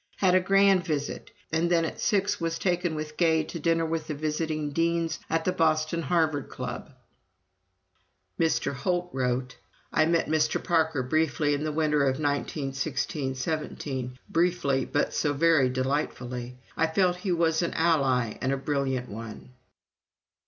Had a grand visit, and then at six was taken with Gay to dinner with the visiting Deans at the Boston Harvard Club." (Mr. Holt wrote: "I met Mr. Parker briefly in the winter of 1916 17, briefly, but so very delightfully! I felt that he was an ally and a brilliant one.")